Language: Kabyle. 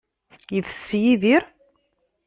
Itess Yidir?